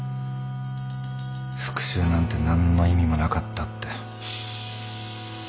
復讐なんて何の意味もなかったって。